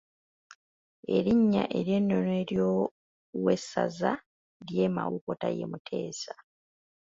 Erinnya ery’ennono ery’owessaza ly’e Mawogola ye Muteesa.